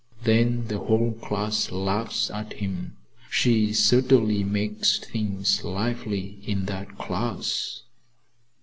Then the whole class laughs at him. She certainly makes things lively in that class."